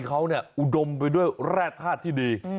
เขาอุดมไปด้วยแร่ธาตุที่ดี